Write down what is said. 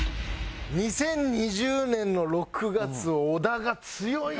２０２０年の６月小田が強い。